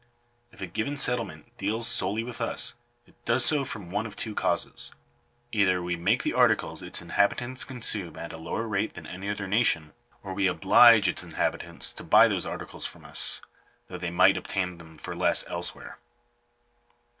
If a given settlement deals solely with us, it does so from one of two causes : either we make the articles its inhabitants consume at a lower rate than any other nation, or we oblige its inhabitants to buy those articles firom us, though they might obtain them for less elsewhere.